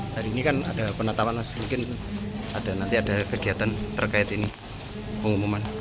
hari ini kan ada penetapan mas mungkin ada nanti ada kegiatan terkait ini pengumuman